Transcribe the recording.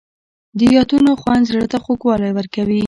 د یادونو خوند زړه ته خوږوالی ورکوي.